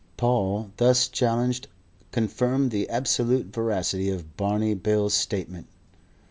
Paul, thus challenged, confirmed the absolute veracity of Barney Bill's statement.